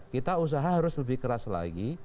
kita usaha harus lebih keras lagi